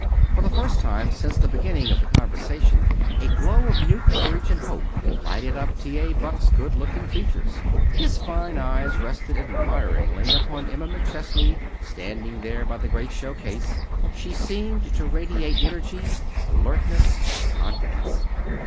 For the first time since the beginning of the conversation a glow of new courage and hope lighted up T. A. Buck's good looking features. His fine eyes rested admiringly upon Emma McChesney standing there by the great show case. She seemed to radiate energy, alertness, confidence.